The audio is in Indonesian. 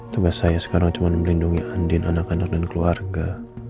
tugas saya sekarang cuma melindungi andin anak anak dan keluarga